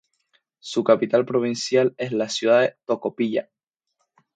Su capital provincial es la ciudad de Tocopilla.